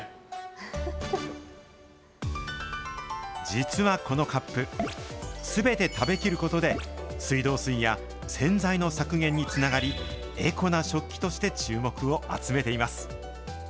実はこのカップ、すべて食べきることで水道水や洗剤の削減につながり、エコな食器として注目を集めています。